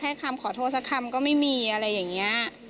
คำขอโทษสักคำก็ไม่มีอะไรอย่างนี้